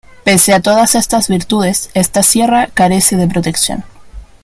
Pese a todas estas virtudes, esta sierra carece de protección.